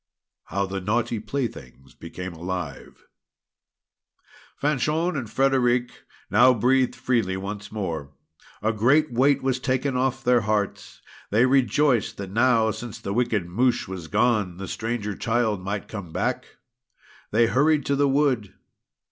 HOW THE NAUGHTY PLAYTHINGS BECAME ALIVE Fanchon and Frederic now breathed freely once more. A great weight was taken off their hearts. They rejoiced that now, since the wicked Mouche was gone, the Stranger Child might come back. They hurried to the wood.